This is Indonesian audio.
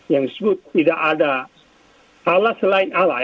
yang disebut tidak ada allah selain allah